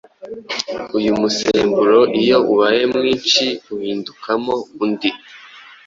Uyu musemburo iyo ubaye mwinshi uhindukamo undi